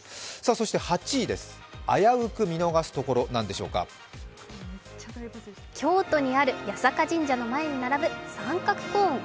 そして８位「危うく見逃すところ」なんでしょうか京都にある八坂神社の前にある三角コーン。